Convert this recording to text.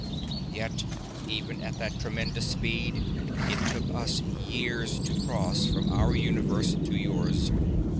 Yet even at that tremendous speed, it took us years to cross from our universe to yours.